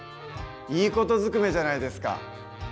いい事ずくめじゃないですか！